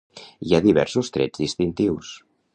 Hi ha diversos trets distintius.